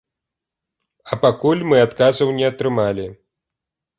А пакуль мы адказаў не атрымалі.